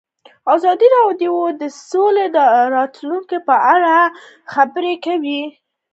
ازادي راډیو د سوله د راتلونکې په اړه وړاندوینې کړې.